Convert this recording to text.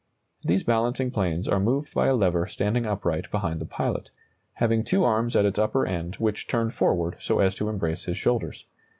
These balancing planes are moved by a lever standing upright behind the pilot, having two arms at its upper end which turn forward so as to embrace his shoulders.